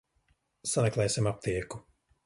Sameklēsim aptieku.